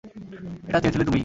এটা চেয়েছিলে তুমিই!